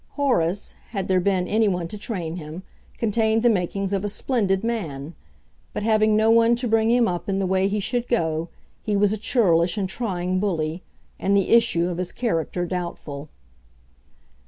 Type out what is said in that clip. Horace, had there been any one to train him, contained the makings of a splendid man; but having no one to bring him up in the way he should go, he was a churlish and trying bully, and the issue of his character doubtful.